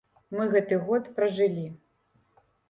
Мы гэты год пражылі.